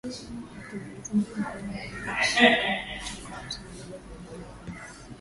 wakimaliza mafunzo yao ya maisha kama watu binafsi huendeleza umoja wao